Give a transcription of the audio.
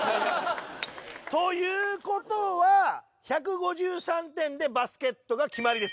ということは１５３点でバスケットが決まりですね。